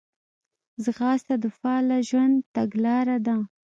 ځغاسته د فعاله ژوند تګلاره ده